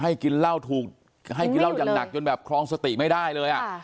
กินเหล้าถูกให้กินเหล้าอย่างหนักจนแบบครองสติไม่ได้เลย